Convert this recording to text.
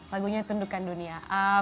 lagunya tundukan dunia